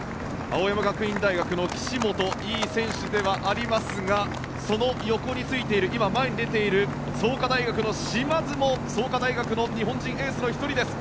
青山学院大学の岸本いい選手ではありますがその横についている前に出ている創価大学の嶋津も創価大学の日本人エースの１人です。